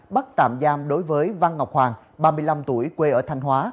bắt tạm giam đối với văn ngọc hoàng ba mươi năm tuổi quê ở thanh hóa